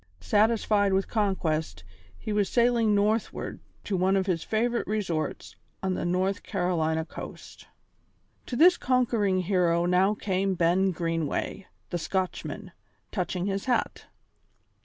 Satisfied with conquest, he was sailing northward to one of his favourite resorts on the North Carolina coast. To this conquering hero now came Ben Greenway, the Scotchman, touching his hat.